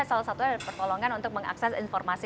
salah satunya pertolongan untuk mengakses informasi